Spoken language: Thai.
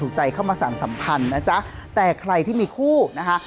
ถูกใจเข้ามาสารสำคัญนะจ๊ะแต่ใครที่มีคู่นะคะ